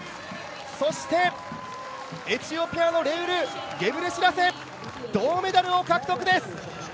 そして、エチオピアのレウル・ゲブレシラセ、銅メダルを獲得です！